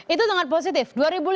itu dengan positif